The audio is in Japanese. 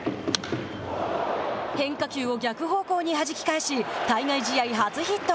変化球を逆方向にはじき返し対外試合初ヒット。